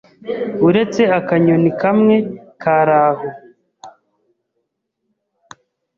uretse akanyoni kamwe kari aho.